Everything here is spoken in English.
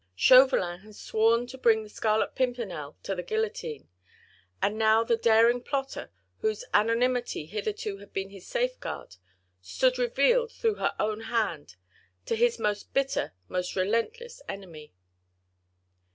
Chauvelin had sworn to bring the Scarlet Pimpernel to the guillotine, and now the daring plotter, whose anonymity hitherto had been his safeguard, stood revealed through her own hand, to his most bitter, most relentless enemy.